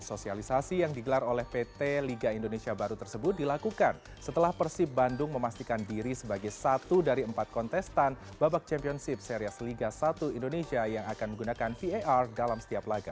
sosialisasi yang digelar oleh pt liga indonesia baru tersebut dilakukan setelah persib bandung memastikan diri sebagai satu dari empat kontestan babak championship serias liga satu indonesia yang akan menggunakan var dalam setiap laga